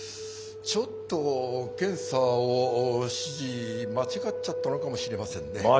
ちょっと検査を指示間違っちゃったのかもしれませんね。